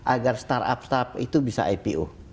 agar startup startup itu bisa ipo